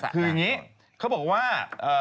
เขาบอกว่า